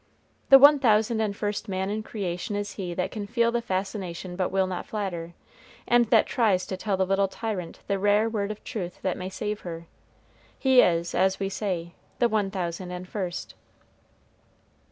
The one thousand and first man in creation is he that can feel the fascination but will not flatter, and that tries to tell to the little tyrant the rare word of truth that may save her; he is, as we say, the one thousand and first.